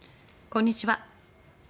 こんにちは。